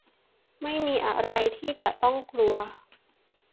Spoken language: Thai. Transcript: ไม่มีอะไรที่จะต้องกลัว